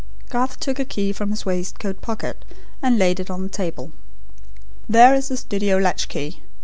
Garth took a key from his waistcoat pocket, and laid it on the table. "There is the studio latch key.